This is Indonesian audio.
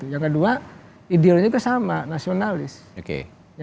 yang kedua ideologinya itu sama